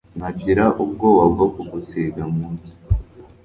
Nagira ubwoba bwo kugusiga mu nsi